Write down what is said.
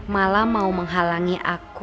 malah mau menghalangi aku